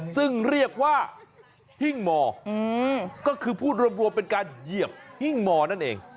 ซึ่งเรียกว่าหิ้งมอก็คือพูดรวมเป็นการเหยียบหิ้งมอนั่นเอง